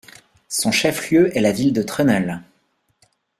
Son chef-lieu est la ville de Trenel.